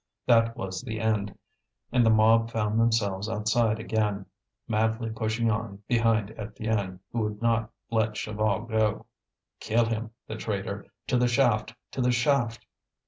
That was the end, and the mob found themselves outside again, madly pushing on behind Étienne, who would not let Chaval go. "Kill him! the traitor! To the shaft! to the shaft!"